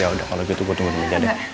ya udah kalo gitu gue tunggu di meja deh